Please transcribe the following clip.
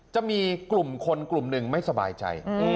จะมีกลุ่มคนกลุ่มหนึ่งไม่สบายใจ